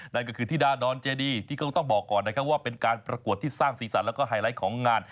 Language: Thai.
นั่นก็คือธิดานอนเจดีที่ก็ต้องบอกก่อนนะครับว่าเป็นการประกวดที่สร้างสีสันแล้วก็ไฮไลท์ของงาน